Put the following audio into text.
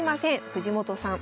藤本さん